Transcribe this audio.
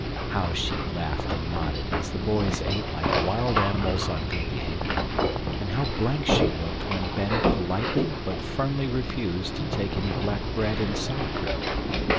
How she laughed and nodded as the boys ate like wild animals on good behavior, and how blank she looked when Ben politely but firmly refused to take any black bread and sauerkraut!